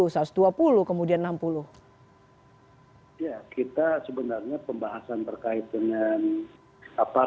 ya kita sebenarnya pembahasan terkait dengan apa